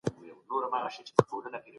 ايا حضوري تدريس د ښوونکي حضور مهم ګڼي؟